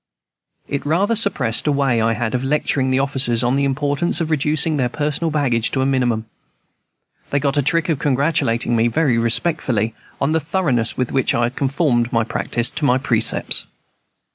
It rather suppressed a way I had of lecturing the officers on the importance of reducing their personal baggage to a minimum. They got a trick of congratulating me, very respectfully, on the thoroughness with which I had once conformed my practice to my precepts.